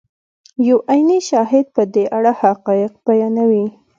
یو عیني شاهد په دې اړه حقایق بیانوي.